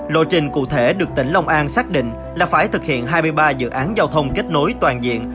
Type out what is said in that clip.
lộ trình cụ thể được tỉnh long an xác định là phải thực hiện hai mươi ba dự án giao thông kết nối toàn diện